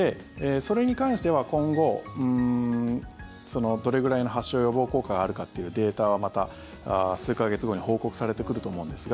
それに関しては今後どれくらいの発症予防効果があるかというデータはまた数か月後に報告されてくると思うんですが